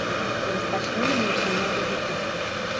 І распачнем нейкі новы віток.